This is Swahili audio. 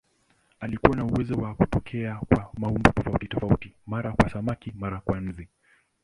Alikuwa na uwezo wa kutokea kwa maumbo tofautitofauti, mara kama samaki, mara kama nzi.